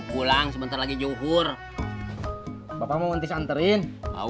pulang sebentar lagi juhur bapak mau nanti santerin